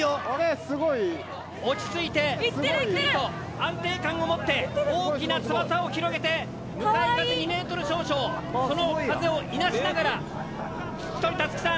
落ち着いてゆっくりと安定感を持って大きな翼を広げて向かい風２ｍ少々その風をいなしながら土取樹さん